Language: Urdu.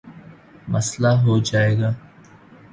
مسلہ ہو جائے گا۔